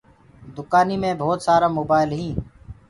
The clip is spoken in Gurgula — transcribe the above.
دُڪآنيٚ مي ڀوت سآرآ موبآئل هينٚ